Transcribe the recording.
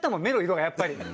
目の色がやっぱり。